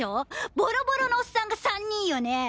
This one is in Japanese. ボロボロのおっさんが３人よね。